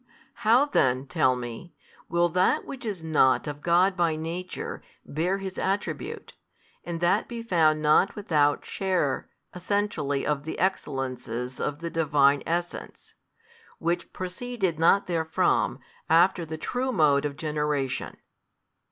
|354 How then, tell me, will that which is not of God by Nature, bear His Attribute, and that be found not without share essentially of the Excellences of the Divine Essence, which proceeded not therefrom, after the true mode of generation?